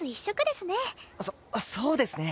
そそうですね。